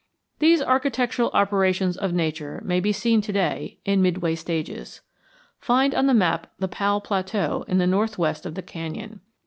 These architectural operations of Nature may be seen to day in midway stages. Find on the map the Powell Plateau in the northwest of the canyon.